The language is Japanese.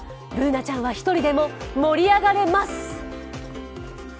Ｂｏｏｎａちゃんは１人でも盛り上がれます！